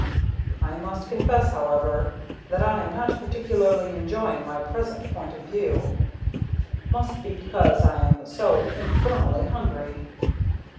I must confess, however, that I am not particularly enjoying my present point of view. Must be because I am so infernally hungry.